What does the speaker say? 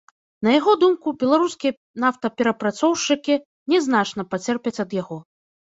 На яго думку, беларускія нафтаперапрацоўшчыкі не значна пацерпяць ад яго.